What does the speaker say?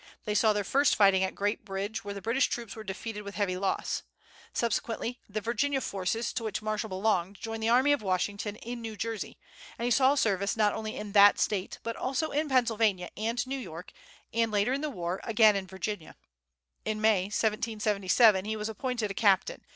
They saw their first fighting at Great Bridge, where the British troops were defeated with heavy loss. Subsequently, the Virginia forces to which Marshall belonged joined the army of Washington in New Jersey, and he saw service not only in that State, but also in Pennsylvania and New York, and, later in the war, again in Virginia. In May, 1777, he was appointed a captain.